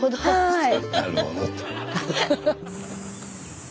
はい。